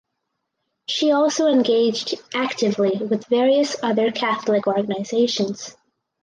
She also engaged actively with various other Catholic organisations.